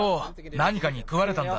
なにかにくわれたんだ。